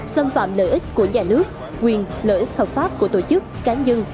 xâm phạm lợi ích của nhà nước quyền lợi ích hợp pháp của tổ chức cán dân